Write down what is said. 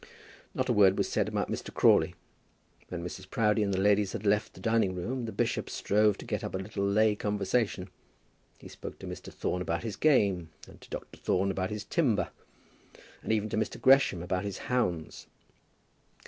Not a word was said about Mr. Crawley. When Mrs. Proudie and the ladies had left the dining room, the bishop strove to get up a little lay conversation. He spoke to Mr. Thorne about his game, and to Dr. Thorne about his timber, and even to Mr. Gresham about his hounds.